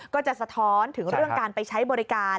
สะท้อนถึงเรื่องการไปใช้บริการ